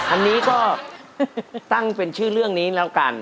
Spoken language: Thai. อันนี้ก็ตั้งเป็นชื่อเรื่องนี้แล้วกัน